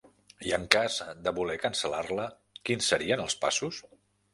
I en cas de voler cancel·lar-la quins serien els passos?